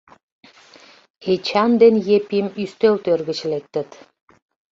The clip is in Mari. Эчан ден Епим ӱстелтӧр гыч лектыт.